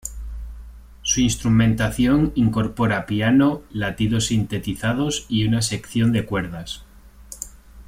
Su instrumentación incorpora piano, latidos sintetizados, y una sección de cuerdas.